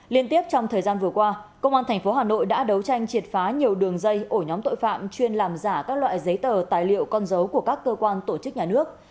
liên tiếp trong thời gian vừa qua công an tp hà nội đã đấu tranh triệt phá nhiều đường dây ổ nhóm tội phạm chuyên làm giả các loại giấy tờ tài liệu con dấu của các cơ quan tổ chức nhà nước